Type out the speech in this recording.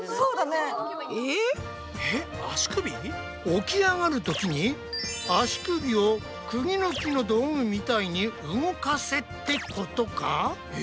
起き上がるときに足首をクギぬきの道具みたいに動かせってことか？